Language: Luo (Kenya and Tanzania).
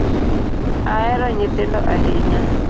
Ahero nyithindo ahinya.